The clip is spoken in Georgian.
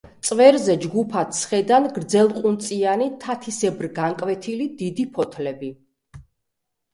წვერზე ჯგუფად სხედან გრძელყუნწიანი, თათისებრ განკვეთილი დიდი ფოთლები.